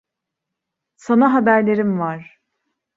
Sana haberlerim var.